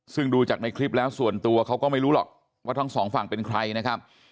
ซึ่งดูจากในคลิปแล้วส่วนตัวเขาก็ไม่รู้หรอกว่าทั้งสองฝั่งเป็นใครนะครับ